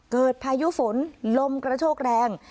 พายุฝนลมกระโชกแรง